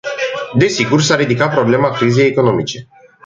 Desigur, s-a ridicat problema crizei economice.